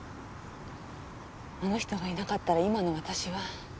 あの人がいなかったら今の私は。